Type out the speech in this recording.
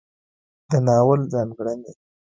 د ناول ځانګړنې